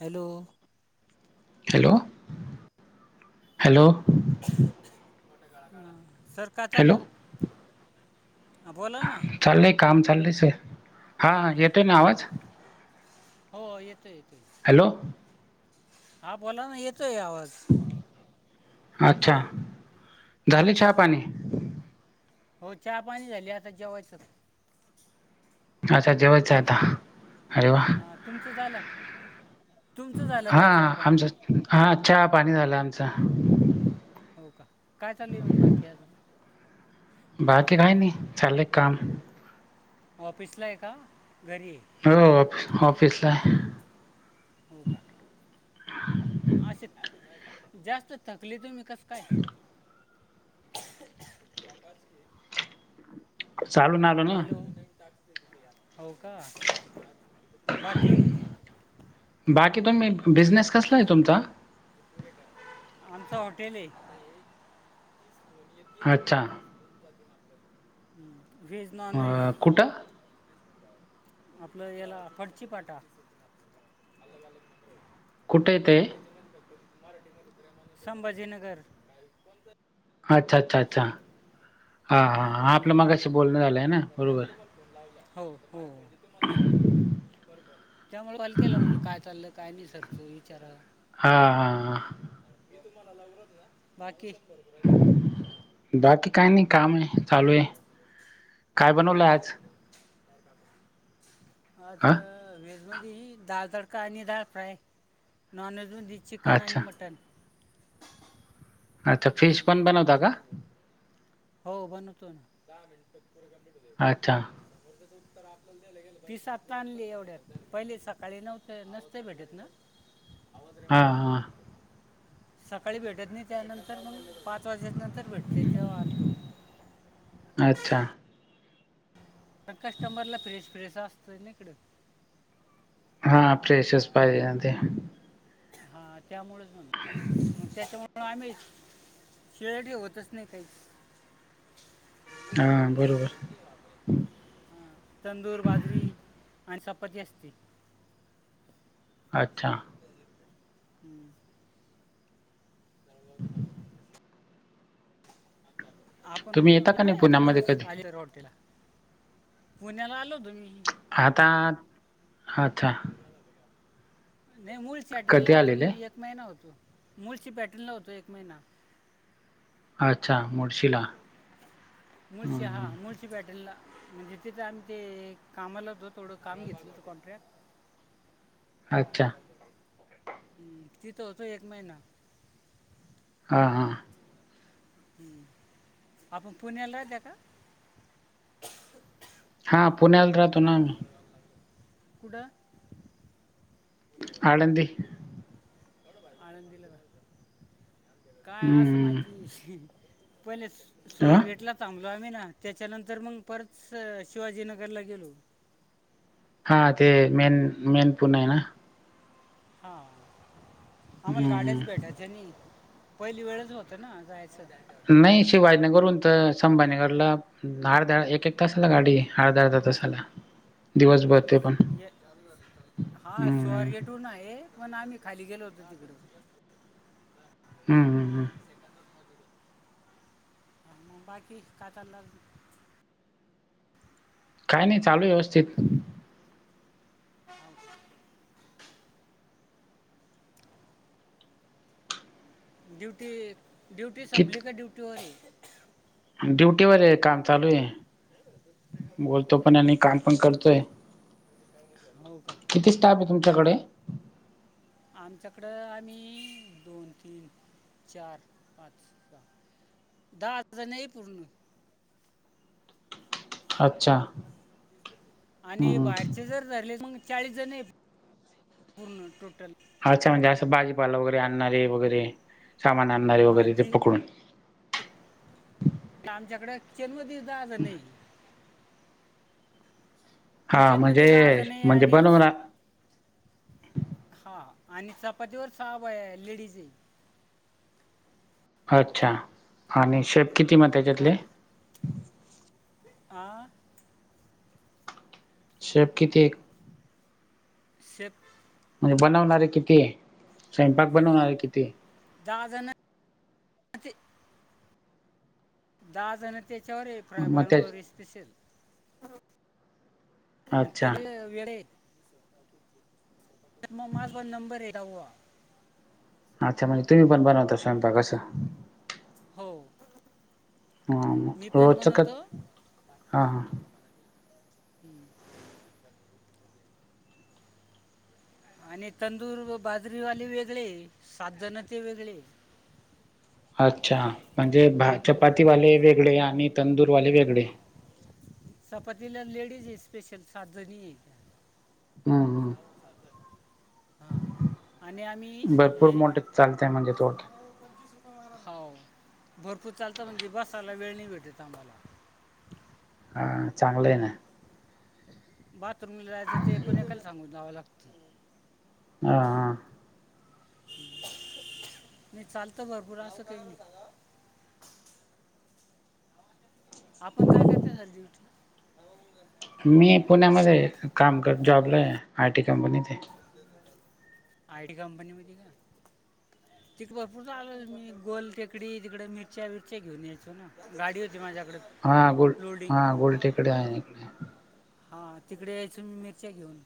Hello hello hello ह सडका चाल हॅलो ह बोला ना चालले काम चालले स हां येतो नाही अहो आवाज हो येतो येतोय हॅलो हा बला ना येतोय आवाज अच्छा झाले चहा पाणी हो चहा पाणी झाली आता जेवायचं अच्छा जेवायचं आहे आता अरे वा हां तुमचं झालं तुमचं झालं का चहाय पाणी हा चहा पाणी झालं आमचं हो का काय चालू आहे मग बाकी अजून बाकी काय नाही चालेय काम ऑफिसला आहे का घरी आहे हो ऑफ ऑफिसला हो का असे जास्त थकली तुम्ही कस काय ह यापास एक चालून आलो ना हॅलो हो का बाकी बाकी तुम्ही बिझनेस कसला आहे तुमचा? आमचं हॉटेल आहे. अच्छा. व्हेज नॉन व्ज कुट? आपलं याला फडची फाटा. [unintelligible] कुठे ते? संभाजीनगर. अच्छा-च्छा-च्छा, हां हां हां आपलं हं. मगाशी बोलणं झालं ना, बरोबर. [inaudible] हो हो त्यामुळे कॉल केला म्हणल काय चाललं? काय नाही सरचं विचारा. हां हां हां [inaudible] बाकी? बाकी काय नही कामये चालूये, काय हो बनवलंय का? आज? आता हा व्हेजमदि दाल तडका आणि दळ फ्राय नॉन व्हेज मदी चिकन आणि अच्छा मटण. आता फिश पण बनवता का? हो बनवतो ना, दहा मिनट अच्छा. त्याचं उत्तर आपलं. पिस आता आणली एवढ्यात, पहिले सकाळी नव्हत नसत भेटत ना. हा हा. सकाळी भेटत नहीं, त्याच्यानंतर मग पाच वाजे नंतर भेटते, तेव्हा आणतो. अच्छा. त कस्टमरला फ्रेश-फ्रेश असतयना इकडे. हा फ्रेशच पाहिजे ते. हा त्यामुळेच म्हण, मग त्याच्यामुळे पण आम्ही, शिआयडी होतच नाही त्याची हां बरोबर [unintelligible] ह तंदूर, बाजरी अनं चपाती असते. अच्छा. बर. हम्म. [unintelligible] आपण तुम्ही पण येता का येना नाही एका पुण्यामध्ये दिवस कधी आहेरगावतला पुण्या्ला आलो तो मी आता आथा. नाही मूळची पॅटर्न ला कधी हॊतो आलेले मी एक महिना होतो, मूळशी पॅटर्न ला होतो एक महिना. अच्छा मुळशीला? मुळशी हा हं, मुळ मुळशी पॅटर्नला, म्हणजे तिथं आम्ही ते कामाला होतो, थोडं कामं घेतलं होतं, कॉन्ट्रक्ट [inaudible] [inaudible] हम्म तिथं होतो एक महिना हां हां. आपण पुण्याला राहत्या का? हा पुण्याला राहतो ना आम्ही. कुड? आळंदि. आळंदिला राहतो, काय असं हं, माहिती हीं हीं पहिलेच हं. सोरगेटला थांबलो आम्ही ना त्याच्यानंतर मग परत शिवाजीनगरला गेलो. हा ते मेन मेन पुण आहे ना. हा आम्हाला हं, हं. गाड्याच भेटाय. जनी पहिली वेळच होतं ना जायचं. नाही शिवाजीनगरहून तर संभाजनगरला धडधड एक एक तासाला गाडी. हा दादा तसं. हा हम्म स्अरगेटहून आहे. पण आम्ही खाली गेलो होतो तिकड. हम्. बाकी काात काय नाही चालू व्यवस्थित हो. ्यूटी ्यूटी कित संभली का ्यूटी होई. ड्युटीवर आहे काम चालू आहे बोलतो पण आणि हो काम का पण करतोय. हो का. किती स्टाप आहे तुमच्याकडे. आमच्याकडं आम्ही दोन तीन चार पाच. दडहा तर नाही पुढण. अच्छा. आणि हम्म बाहेरचे जर ले मग चाळीस जण पूर्ण टोटल. हा चांगलं असं भाजीपाला वगैरे आणणारे वगैरे सामान आणणारे हा वगैरे ते की पकडून. आमच्याकडे जन्मदस दहा जण नाही. हा किचनमध्येध्ये म्हणजे दहा जण म्हणजे आणि बनवणार हा आणि चपातीवर साब बाया लेडीज. अच्छा आणि शेप किती मत त्यातले. आं शेप किती. शेप म्हणजे बनवणार किती स्वयंपाक बनवणारे किती. दहा जण ते दहा जण त्याच्यावर एक फ्राय मग त्या पानभरी स्पेशल. आणि अच्छा त्यांनी वडे म माझ नंबर एक आहे अच्छा म्हणजे तुम्ही प बनवता स्वयंपाक असं. हो. मी ह पण रोचक बनवतो हा हा. हम्म आणि तंदूर बाजरीवाले वेगळे सात जणते वेगळे. अच्छा म्हणजे भा चपातीवाले वेगळे आणि तंदूरवाले वेगळे. चपातीला लेडीज आहे स्पेशल सात जणी आहे त्या हम्म जाव हम्म ताजत. हा आणि आम्ही भरपूर हे. मोठे चालतंय म्हणजे थोडक्यात हो भरपूर चालत म्हणजे बसायला वेळ नाही भेटत आम्हाला. हा चांगलं आहे ना बाथरूमला जायचं ते एकूण एकायला सांगून जावं लागतं. हा हा. नाही चालतं भरपूर असं काय नाय. आपण काय करत्या सर ड्युट मी पुण्यामध्ये काम कर जॉबला आहे आय टी कंपनी ते. आय टी कंपनीमध्ये का? तिकडे भरपूर चालं मी गोल टेकडी तिकडे मिरच्या बिरच्या घेऊन यायचो ना, गाडी होती माझ्याकडे. हा गुल लोडिंग हा गोलटेकडी आहे इकडे. हां तिकडे यायचून मिरच्या घेऊन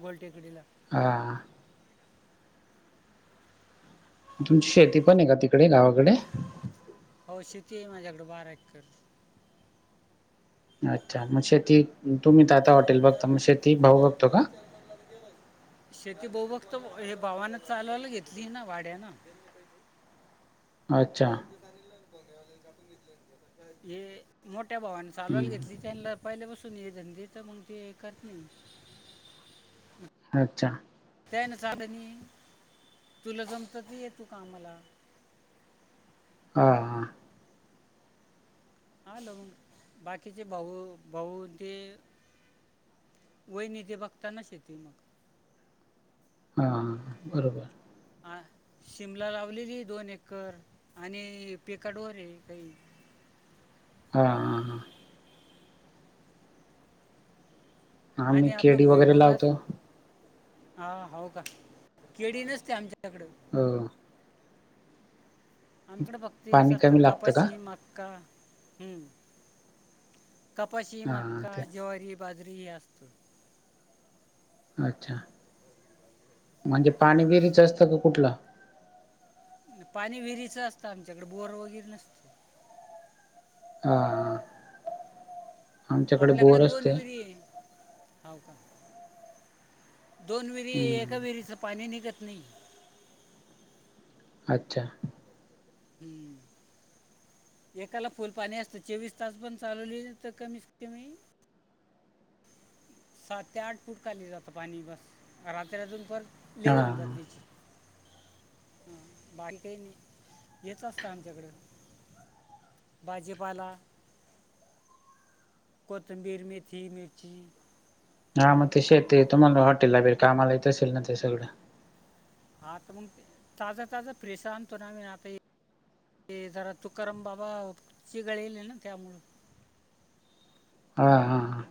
गोलटेकडीला. हां. तुमची शेती पण आहे का तिकडे गावाकडे? हो शेती माझ्याकडे बारा एक्कर. अच्छा मग शेती तुम्ही तर आता हॉटेल बघता म शेती भाऊ बघतो का? शेती भाऊ बघतो हे भावानं चालवायला घेतली ना भाड्याने. अच्छा हे मोठ्या भावाने चालवल हम्म घेतली त्यांनला पहिल्या पाासून ये धंदे तर मग ते करत नाही. अच्छा! त्यानं साधणी तुला जमतं ती ये तू कामला. हां हां. हा लवंग बाकीचे भाऊ भाऊ ते वहिनी ते बघता ना शेती मग. हां बरोबर. आं शिमला लावलेली दोन एकर आणि पिकाडोर आहे काही हा हां हां. आम्ही आणि आपलं केळी वगैरे भुईमुंग अस लावतो हा हाव का केळी नसते आमच्याकडे. हो. आमच्याडं फक्त यस पाणी असतं कमी लागतं का? कापाशी मक्का हम्म. कपाशी, हां मक्का, ते ज्वारी, बाजरी ही असतं. अच्छा! म्हणजे पाणी विरीचा असतं का कुठलं? पाणी विहिरीचं असतं आमच्याकडे बोर वगैरे नसतो. हा हा आमच्याकडे बोर असते. हव का दोन विरी एका हम्म विरीचं पाणी निघत नाही. अच्छा! हम्म. एकाला फुल पाणी असतं चोवीस तास पण चालवली तर कमीत कमी सात ते आठ फूट खाली जातं पाणी बस रात्र अजून पर [unintelligible] हां हां गर्दीच. हा बाकी काय नी हेच असतं आमच्याकडं. भाजीपाला कोथंबीर, मेथी, मिर्ची हा मग ते शेती तुम्हाला हॉटेलला बेळ कामाला येत असेल ना ते सगळं. हा आता मंग ताजा-ताजा फ्रेस आणतो ना मी हे आता ते जरा तुकाराम बाबा चि गळेल ना त्यामुळं हा हां हां.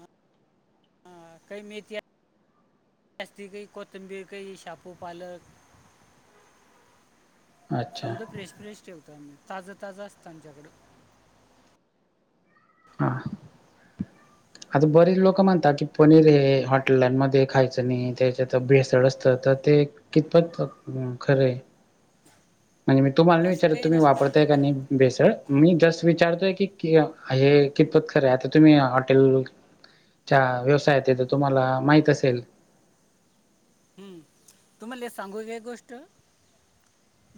हा काही मेथ्या अस्ती गी कोतंबीर कय शापू, पालक [inaudible] समद फ्रेश फ्रेश ठेवतो आम्ही ताजं ताजं असतं आमच्याकडं हा. आता बरीच लोक म्हणतात की पनीर हे हॉ हटल्यांमध्ये खायचं नाही त्याच्यात भेसळ असतं तर ते कितपत खरं आहे. म्हणजे तो मागणं असं विचारतोय काही तुम्ही नसतं वापरताय की नाही. बेसळ मी जस् विचारतोय की हे कितपत खरे आता तुम्ही हॉटेल व्यवसायात तर तुम्हाला माहित असेल. हम्म तुम्हाला हे सांगू काय गोष्ट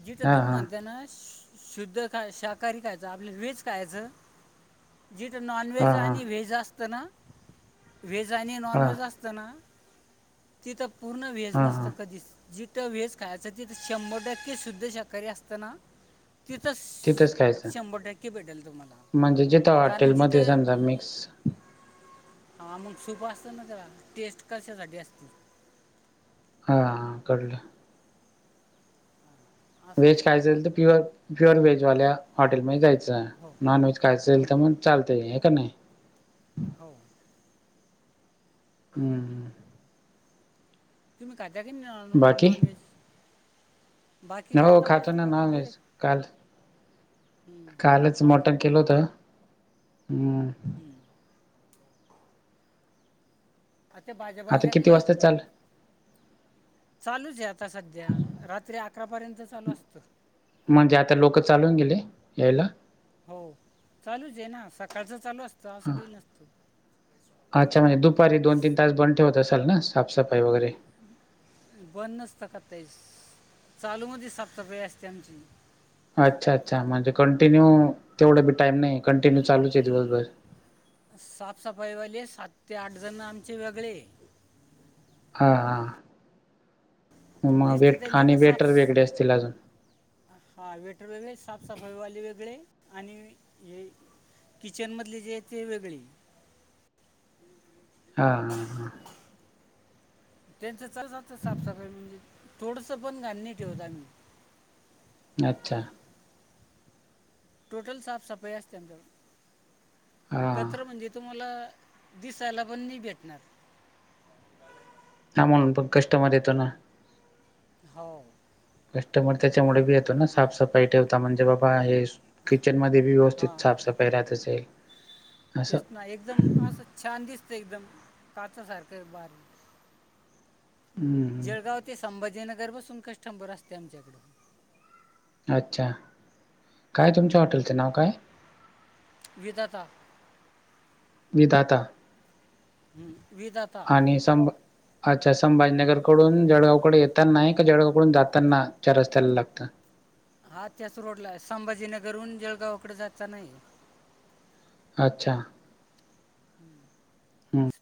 जिथ हा तुम्ही हा म्हणता ना शुद्ध का शाकाहारी खायच आपल्या वेज खायचं. जिथं हा नॉनव्हेज हा आणि व्हेज असतं ना व्हेज आणि हा नॉनव्हेज असत. असताना तिथं पूर्ण वेज हा नसत हा कधीच जिथं वेहेज खायच तिथ शंभर टक्के सुुद्ध शाकाारी असतना. तिथंस तिथंच खायचं शंभर टक्के भेटल तुम्हाला. म्हणजे जिथं कारण हॉटेलमध्ये जिथं समजा मिक्स हा मग सूप असत ना त्याला टेस्ट कशासाठी असती. हा हा कडल. असं व्हेज असतं ते कायचंईल तर प्युअर प्युअर व्हेज वाल्या हॉटेलमध्ये जायचं. हो नॉन व्हेज खायचं हं, तर मग चालतय. हे का नाही? हाऊ. हम्म. तुम्ही खाता की नॉन बाकी नॉन व्हेज. बाकी काय हो आता खातो ना बसलो नॉन गेरे व्हेज काल कालच मटण केलं होत हम् हमं आता बाज्या आता किती बधल्याखली वाजता चाल चालूच आहे आता सध्या रात्री अकरापर्यंत चालू असतं. म्हणजे आता लोक चालून गेले यायला. हो चालूच आहे ना सकाळचं चालू असतं ह असं काही नसतं. अच्छा म्हणजे दुपारी दोन तीन तास बंद ठेवत असाल ना साफसफाई वगैरे बंदचताकस चालू म सापताफई असते आमची अच्छा अच्छा म्हणजे कंटिन्यू तेवढं बी टाईम नाही कंटिन्यू चालूच आहे दिवसभर साफसफाईवाले सात ते आठ जण आमचे वेगळे हा हा मग नुसते वेट आणि त्यांच्याकडे वेटर साफ वेगळे असतील अजून हा वेटर वेगळे साफसफाईवाले वेगळे आणि हे किचनमधले जे आहे ते वेगळे हा हां त्यांचं लत साफसफाई म्हणजे थोडसं बण घाणी ठेवत आम्ही अच्छा टोटल साफसफाई असतेंत हा कचरं म्हणजे तुम्हाला दिसायला पण नाही भेटणार हा म्हणून ब कष्टमर येतो ना. हो कस्टमर त्याच्यामुळे बी येतो ना साफसफाई ठेवता म्हणजे बाबा हे किचन मध्ये बी व्यवस्थित हां साफसफाई राहत असेल असं तेच ना एकदम असं छान दिसतं एकदम काचासारखं बारी हम्म जळगाव ते संभाजीनगर बसून कस्टंबर असते आमच्याकडून अच्छा काय तुमच्या हॉटेलचं नाव काय घेताात विधात विदात आणि संभ अच्छा संभाजीनगरकडून जळगावकडे येताना का जळगावकडून जातानाच्या रस्त्याला लागतं हा त्याच रोडला संभाजीनगरहून जळगावकडे जा नाही अच्छा हम्म हम